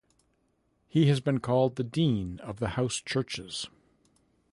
He has been called the Dean of the House Churches.